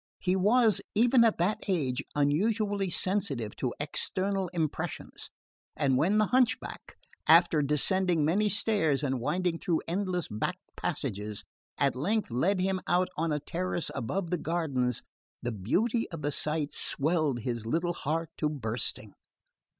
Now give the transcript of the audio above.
He was, even at that age, unusually sensitive to external impressions, and when the hunchback, after descending many stairs and winding through endless back passages, at length led him out on a terrace above the gardens, the beauty of the sight swelled his little heart to bursting.